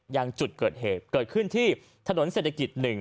ยังจุดเกิดเหตุเกิดขึ้นที่ถนนเศรษฐกิจ๑